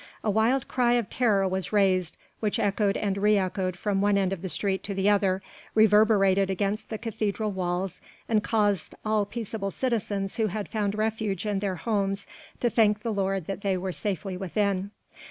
A wild cry of terror was raised, which echoed and re echoed from one end of the street to the other, reverberated against the cathedral walls, and caused all peaceable citizens who had found refuge in their homes to thank the Lord that they were safely within.